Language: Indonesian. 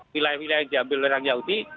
wilayah wilayah yang diambil oleh orang yahudi